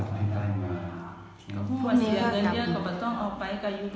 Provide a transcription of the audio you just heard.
เขาไปกลายอยู่บ้านกับ